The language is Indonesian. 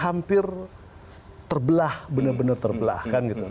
hampir terbelah benar benar terbelah